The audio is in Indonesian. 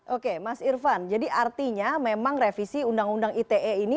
oke mas irvan jadi artinya memang revisi undang undang ite ini